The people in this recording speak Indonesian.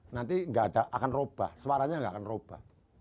nanti akan berubah suaranya tidak akan berubah